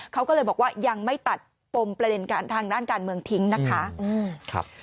เขาก็เลยบอกว่ายังไม่ตัดปมประเด็นการทางด้านการเมืองทิ้งนะคะ